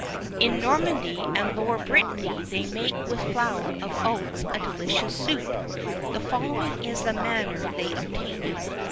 "In Normandy and Lower Britany they make with flour of oats a delicious soup. The following is the manner they obtain it.